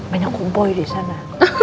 banyak kompoi disana